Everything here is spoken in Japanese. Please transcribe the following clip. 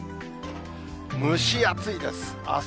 蒸し暑いです。